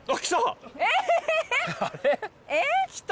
ええっ？来た！